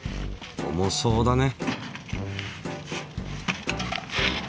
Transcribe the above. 重そうだね。